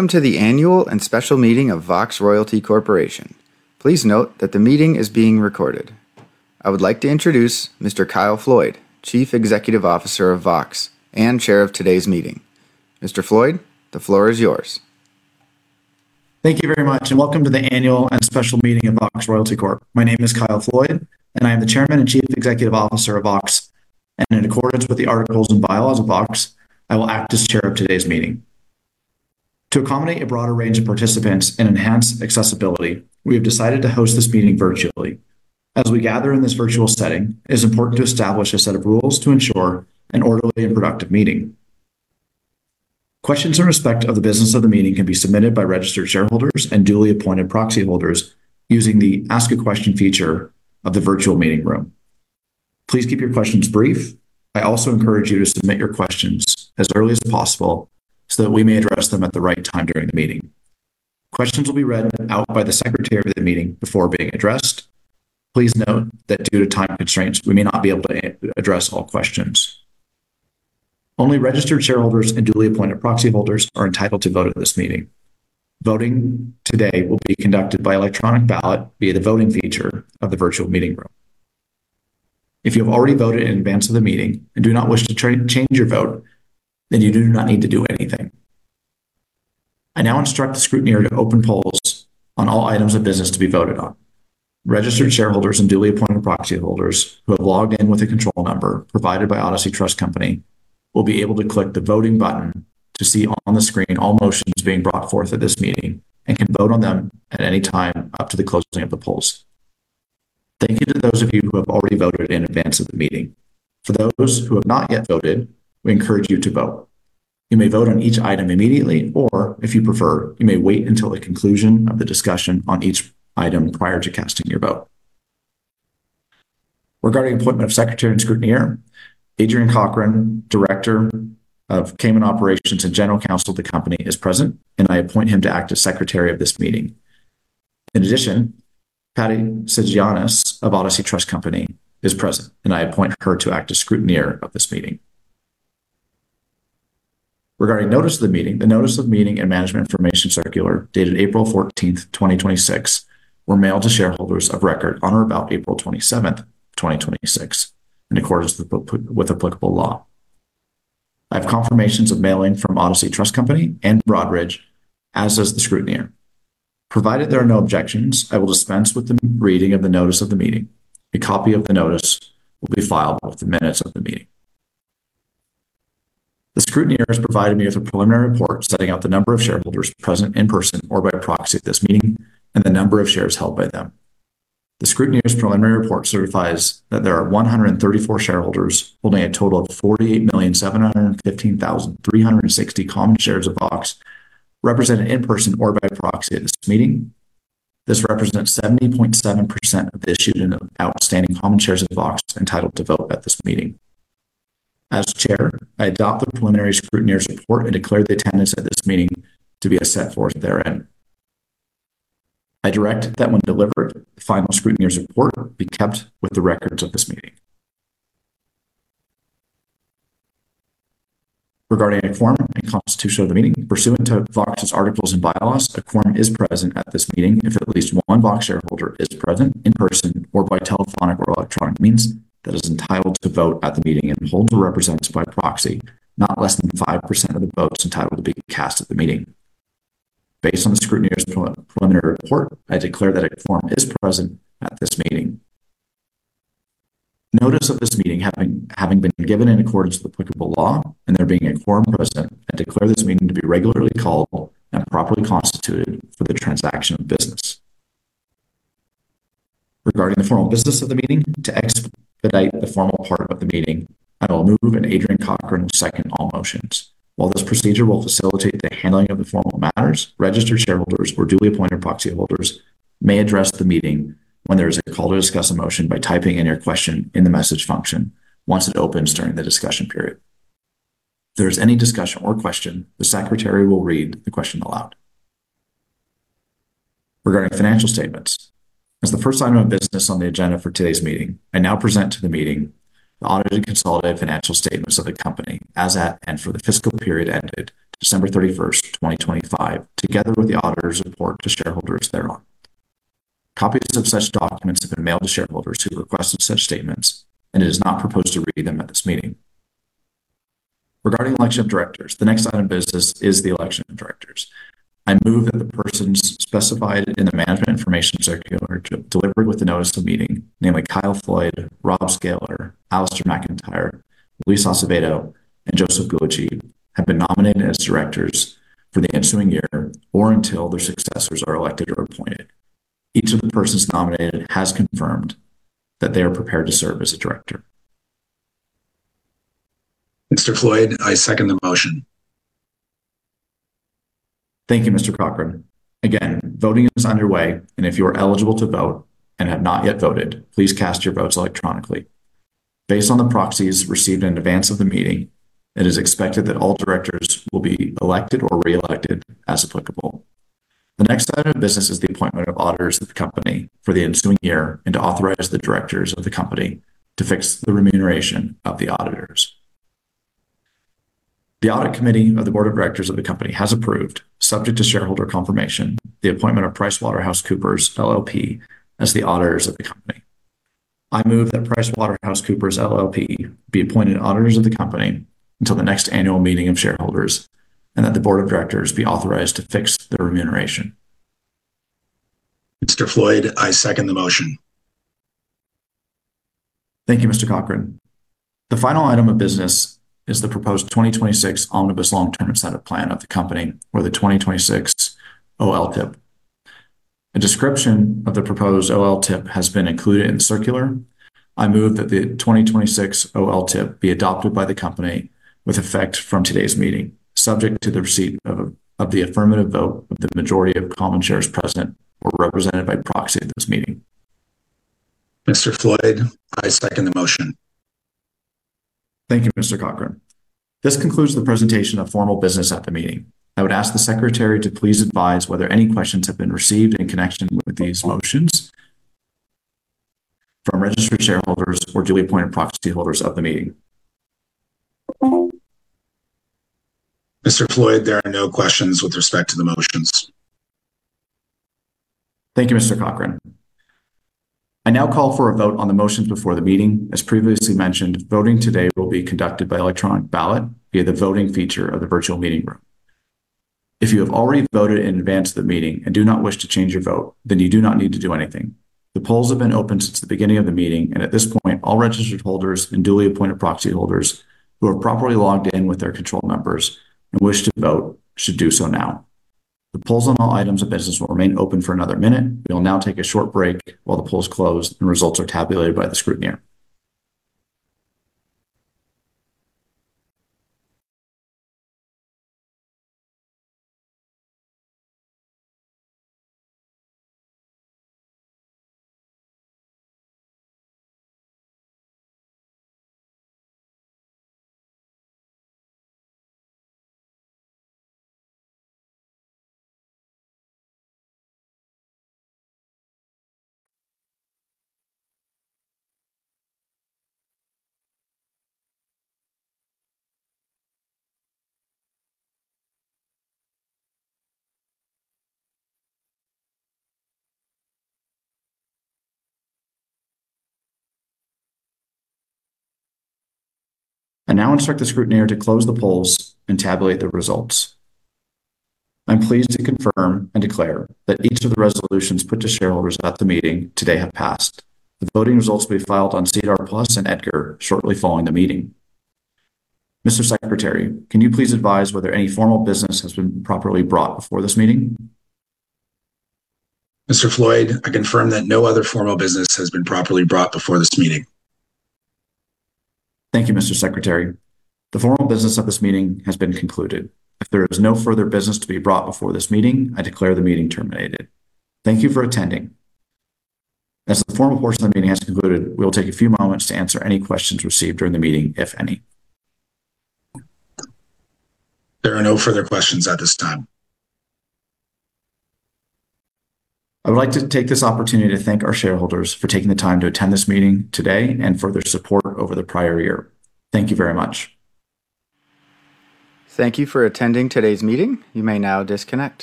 Welcome to the annual and special meeting of Vox Royalty Corp. Please note that the meeting is being recorded. I would like to introduce Mr. Kyle Floyd, Chief Executive Officer of Vox and Chair of today's meeting. Mr. Floyd, the floor is yours. Thank you very much, and welcome to the annual and special meeting of Vox Royalty Corp. My name is Kyle Floyd, and I am the Chairman and Chief Executive Officer of Vox. In accordance with the articles and bylaws of Vox, I will act as chair of today's meeting. To accommodate a broader range of participants and enhance accessibility, we have decided to host this meeting virtually. As we gather in this virtual setting, it is important to establish a set of rules to ensure an orderly and productive meeting. Questions in respect of the business of the meeting can be submitted by registered shareholders and duly appointed proxy holders using the ask a question feature of the virtual meeting room. Please keep your questions brief. I also encourage you to submit your questions as early as possible so that we may address them at the right time during the meeting. Questions will be read out by the secretary of the meeting before being addressed. Please note that due to time constraints, we may not be able to address all questions. Only registered shareholders and duly appointed proxy holders are entitled to vote at this meeting. Voting today will be conducted by electronic ballot via the voting feature of the virtual meeting room. If you have already voted in advance of the meeting and do not wish to change your vote, then you do not need to do anything. I now instruct the scrutineer to open polls on all items of business to be voted on. Registered shareholders and duly appointed proxy holders who have logged in with a control number provided by Odyssey Trust Company will be able to click the voting button to see on the screen all motions being brought forth at this meeting and can vote on them at any time up to the closing of the polls. Thank you to those of you who have already voted in advance of the meeting. For those who have not yet voted, we encourage you to vote. You may vote on each item immediately, or if you prefer, you may wait until the conclusion of the discussion on each item prior to casting your vote. Regarding appointment of secretary and scrutineer, Adrian Cochrane, Director of Cayman Operations and General Counsel of the company, is present, and I appoint him to act as secretary of this meeting. In addition, Patty Sigiannis of Odyssey Trust Company is present, and I appoint her to act as scrutineer of this meeting. Regarding notice of the meeting, the notice of meeting and management information circular dated April 14th, 2026, were mailed to shareholders of record on or about April 27th, 2026, in accordance with applicable law. I have confirmations of mailing from Odyssey Trust Company and Broadridge, as does the scrutineer. Provided there are no objections, I will dispense with the reading of the notice of the meeting. A copy of the notice will be filed with the minutes of the meeting. The scrutineer has provided me with a preliminary report setting out the number of shareholders present in person or by proxy at this meeting and the number of shares held by them. The scrutineer's preliminary report certifies that there are 134 shareholders holding a total of 48,715,360 common shares of Vox represented in person or by proxy at this meeting. This represents 70.7% of the issued and outstanding common shares of Vox entitled to vote at this meeting. As chair, I adopt the preliminary scrutineer's report and declare the attendance at this meeting to be as set forth therein. I direct that when delivered, the final scrutineer's report be kept with the records of this meeting. Regarding a quorum and constitution of the meeting, pursuant to Vox's articles and bylaws, a quorum is present at this meeting if at least one Vox shareholder is present in person or by telephonic or electronic means that is entitled to vote at the meeting and holds or represents by proxy, not less than 5% of the votes entitled to be cast at the meeting. Based on the scrutineer's preliminary report, I declare that a quorum is present at this meeting. Notice of this meeting having been given in accordance with applicable law and there being a quorum present, I declare this meeting to be regularly called and properly constituted for the transaction of business. Regarding the formal business of the meeting, to expedite the formal part of the meeting, I will move and Adrian Cochrane will second all motions. While this procedure will facilitate the handling of the formal matters, registered shareholders or duly appointed proxy holders may address the meeting when there is a call to discuss a motion by typing in your question in the message function once it opens during the discussion period. If there is any discussion or question, the secretary will read the question aloud. Regarding financial statements, as the first item of business on the agenda for today's meeting, I now present to the meeting the audited consolidated financial statements of the company as at and for the fiscal period ended December 31st, 2025, together with the auditor's report to shareholders thereon. Copies of such documents have been mailed to shareholders who requested such statements, and it is not proposed to read them at this meeting. Regarding election of directors, the next item of business is the election of directors. I move that the persons specified in the management information circular delivered with the notice of meeting, namely Kyle Floyd, Rob Sckalor, Alastair McIntyre, Luis Azevedo, and Joseph Gallucci, have been nominated as directors for the ensuing year or until their successors are elected or appointed. Each of the persons nominated has confirmed that they are prepared to serve as a director. Mr. Floyd, I second the motion. Thank you, Mr. Cochrane. Again, voting is underway, and if you are eligible to vote and have not yet voted, please cast your votes electronically. Based on the proxies received in advance of the meeting, it is expected that all directors will be elected or reelected as applicable. The next item of business is the appointment of auditors of the company for the ensuing year and to authorize the directors of the company to fix the remuneration of the auditors. The audit committee of the board of directors of the company has approved, subject to shareholder confirmation, the appointment of PricewaterhouseCoopers LLP as the auditors of the company. I move that PricewaterhouseCoopers LLP be appointed auditors of the company until the next annual meeting of shareholders, and that the board of directors be authorized to fix their remuneration. Mr. Floyd, I second the motion. Thank you, Mr. Cochrane. The final item of business is the proposed 2026 omnibus long-term incentive plan of the company, or the 2026 OLTIP. A description of the proposed OLTIP has been included in the circular. I move that the 2026 OLTIP be adopted by the company with effect from today's meeting, subject to the receipt of the affirmative vote of the majority of common shares present or represented by proxy at this meeting. Mr. Floyd, I second the motion. Thank you, Mr. Cochrane. This concludes the presentation of formal business at the meeting. I would ask the secretary to please advise whether any questions have been received in connection with these motions from registered shareholders or duly appointed proxyholders of the meeting. Mr. Floyd, there are no questions with respect to the motions. Thank you, Mr. Cochrane. I now call for a vote on the motions before the meeting. As previously mentioned, voting today will be conducted by electronic ballot via the voting feature of the virtual meeting room. If you have already voted in advance of the meeting and do not wish to change your vote, you do not need to do anything. The polls have been open since the beginning of the meeting. At this point, all registered holders and duly appointed proxy holders who have properly logged in with their control numbers and wish to vote should do so now. The polls on all items of business will remain open for another minute. We will now take a short break while the polls close and results are tabulated by the scrutineer. I now instruct the scrutineer to close the polls and tabulate the results. I'm pleased to confirm and declare that each of the resolutions put to shareholders at the meeting today have passed. The voting results will be filed on SEDAR+ and EDGAR shortly following the meeting. Mr. Secretary, can you please advise whether any formal business has been properly brought before this meeting? Mr. Floyd, I confirm that no other formal business has been properly brought before this meeting. Thank you, Mr. Secretary. The formal business of this meeting has been concluded. If there is no further business to be brought before this meeting, I declare the meeting terminated. Thank you for attending. As the formal portion of the meeting has concluded, we will take a few moments to answer any questions received during the meeting, if any. There are no further questions at this time. I would like to take this opportunity to thank our shareholders for taking the time to attend this meeting today and for their support over the prior year. Thank you very much. Thank you for attending today's meeting. You may now disconnect.